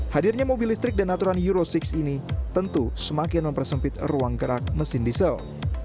hadirnya mobil listrik dan aturan euro enam ini tentu semakin mempersempit ruang gerak mesin diesel